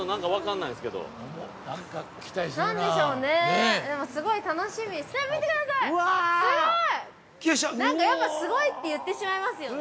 ◆なんか、やっぱ、すごいって言ってしまいますよね。